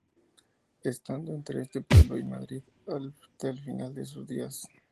Estando entre este pueblo y Madrid hasta el final de sus días.